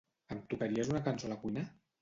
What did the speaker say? Em tocaries una cançó a la cuina?